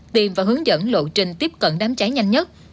tìm và hướng dẫn lộ trình tiếp cận đám cháy nhanh nhất